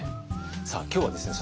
さあ今日はですね